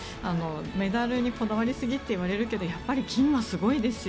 メダルにこだわりすぎっていわれるけどやっぱり金はすごいですよ。